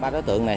ba đối tượng này